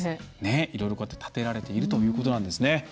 いろいろ、建てられているということなんですね。